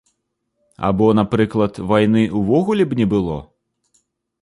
Або, напрыклад, вайны ўвогуле б не было?